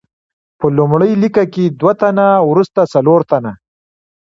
په لومړۍ لیکه کې دوه تنه، وروسته څلور تنه.